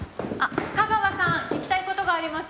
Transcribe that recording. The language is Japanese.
架川さん聞きたい事があります！